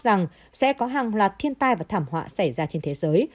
rằng sẽ có hàng loạt thiên tai và thảm họa xảy ra trên thế giới